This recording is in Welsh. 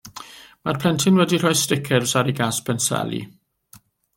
Mae'r plentyn wedi rhoi sticers ar 'i gas penseli.